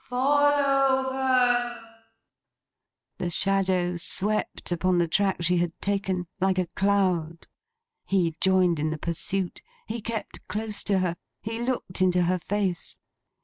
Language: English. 'Follow her!' The shadow swept upon the track she had taken, like a cloud. He joined in the pursuit; he kept close to her; he looked into her face.